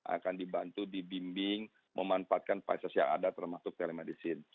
akan dibantu dibimbing memanfaatkan vices yang ada termasuk telemedicine